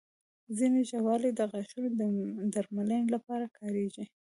ځینې ژاولې د غاښونو درملنې لپاره کارېږي.